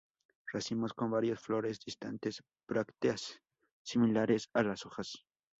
Racimos con varias flores distantes; brácteas similares a las hojas.